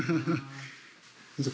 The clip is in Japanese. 先生